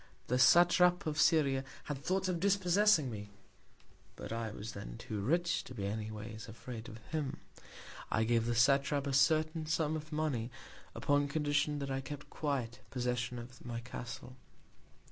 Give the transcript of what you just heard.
The Satrap of Syria had Thoughts of dispossessing me; but I was then too rich to be any Ways afraid of him; I gave the Satrap a certain Sum of Money, upon Condition that I kept quiet Possession of my Castle.